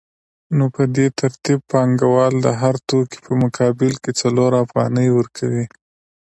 نو په دې ترتیب پانګوال د هر توکي په مقابل کې څلور افغانۍ ورکوي